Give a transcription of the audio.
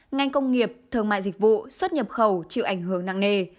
ngành công nghiệp thương mại dịch vụ xuất nhập khẩu chịu ảnh hưởng nặng nề